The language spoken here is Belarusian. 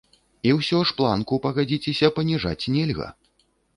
І ўсё ж планку, пагадзіся, паніжаць нельга.